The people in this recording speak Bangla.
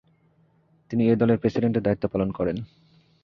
তিনি এই দলের প্রেসিডেন্টের দায়িত্বপালন করেন।